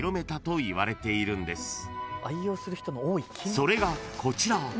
［それがこちら］